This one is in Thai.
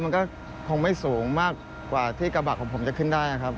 มันก็คงไม่สูงมากกว่าที่กระบะของผมจะขึ้นได้นะครับ